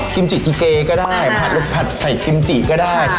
กิมจิกเกย์ก็ได้พัดลูกผัดกิมจิก็ได้